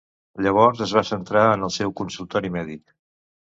Llavors, es va centrar en el seu consultori mèdic.